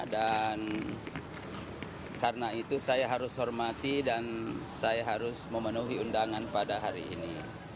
dan karena itu saya harus hormati dan saya harus memenuhi undangan pada hari ini